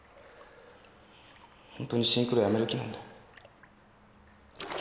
ホントにシンクロやめる気なんだ。